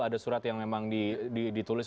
ada surat yang memang ditulis